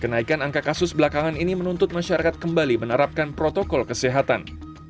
kenaikan angka kasus belakangan ini menuntut masyarakat kembali menerapkan protokol kesehatan